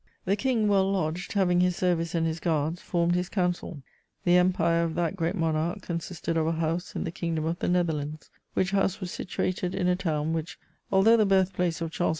The King, well lodged, having his service and his guards, formed his council. The empire of that great monarch consisted of a house in the Kingdom of the Netherlands, which house was situated in a town which, although the birthplace of Charles V.